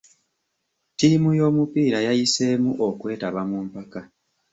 Ttiimu y'omupiira yayiseemu okwetaba mu mpaka.